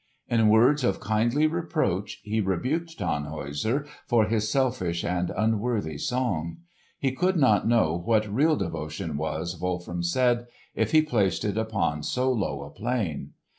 In words of kindly reproach he rebuked Tannhäuser for his selfish and unworthy song. He could not know what real devotion was, Wolfram said, if he placed it upon so low a plane.